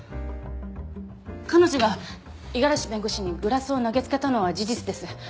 彼女が五十嵐弁護士にグラスを投げつけたのは事実です。